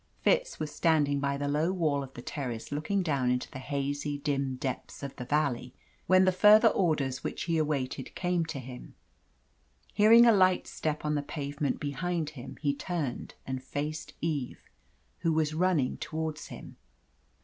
Fitz was standing by the low wall of the terrace looking down into the hazy, dim depths of the valley, when the further orders which he awaited came to him. Hearing a light step on the pavement behind him, he turned, and faced Eve, who was running towards him.